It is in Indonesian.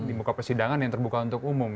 di muka persidangan yang terbuka untuk umum